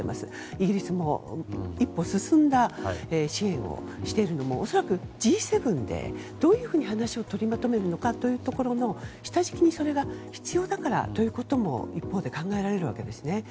イギリスも一歩進んだ支援をしているのも恐らくＧ７でどういうふうに話を取りまとめるのかというところに下敷きに、それが必要だからということも一方で考えられるわけですね。